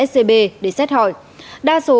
scb để xét hỏi đa số